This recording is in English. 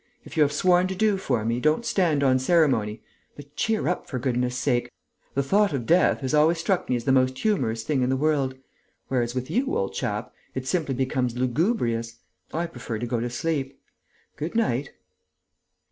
"If you have sworn to do for me, don't stand on ceremony. But cheer up, for goodness' sake. The thought of death has always struck me as the most humorous thing in the world. Whereas, with you, old chap, it simply becomes lugubrious. I prefer to go to sleep. Good night!"